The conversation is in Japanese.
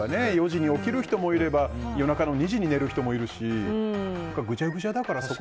４時に起きる人もいれば夜中の２時に寝る人もいるしぐちゃぐちゃだから。